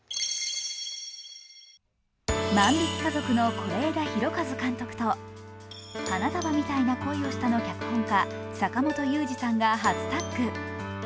「万引き家族」の是枝裕和監督と「花束みたいな恋をした」の脚本家・坂元裕二さんが初タッグ。